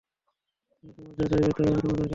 আর তোমরা যা চাইবে তা-ই আমি তোমাদেরকে দেবো।